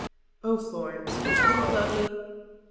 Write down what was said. "Oh, Florence, can you love me?"